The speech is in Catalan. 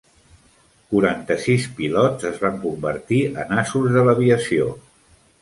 Quaranta sis pilots es van convertir en asos de l'aviació.